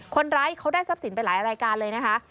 คนร้ายเขาได้ทรัพย์สินไปหลายรายการเลยนะคะ